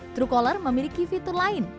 truecaller memiliki fitur lain